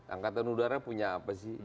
angkatan udara punya apa sih